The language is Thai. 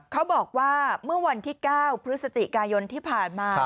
เขาบอกว่าเมื่อวันที่๙พฤศจิกายนที่ผ่านมา